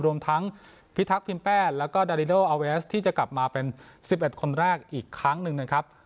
รวมทั้งพิทักษ์พิมพ์แปดแล้วก็ที่จะกลับมาเป็นสิบเอ็ดคนแรกอีกครั้งหนึ่งนะครับ